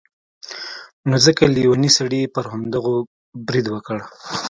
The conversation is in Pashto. نو ځکه لیوني سړي پر همدغو برید وکړ.